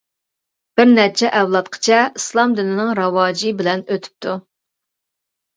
بىر نەچچە ئەۋلادقىچە ئىسلام دىنىنىڭ راۋاجى بىلەن ئۆتۈپتۇ.